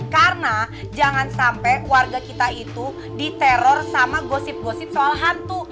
karena jangan sampai warga kita itu diteror sama gosip gosip soal hantu